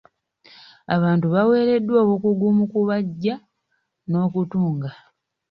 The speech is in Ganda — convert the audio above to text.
Abantu baweereddwa obukugu mu kubajja n'okutunga.